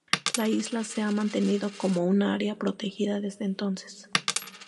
La isla se ha mantenido como un área protegida desde entonces.